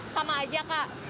sama aja kak